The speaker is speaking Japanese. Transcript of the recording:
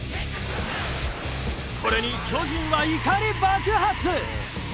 これに巨人は怒り爆発！